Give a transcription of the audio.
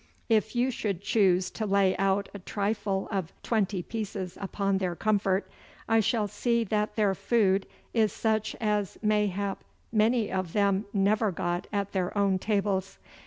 If you should choose to lay out a trifle of twenty pieces upon their comfort, I shall see that their food is such as mayhap many of them never got at their own tables.